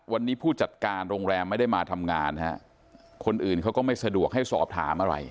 วันนี้ผู้จัดการโรงแรมไม่ได้มาทำงานฮะคนอื่นเขาก็ไม่สะดวกให้สอบถามอะไร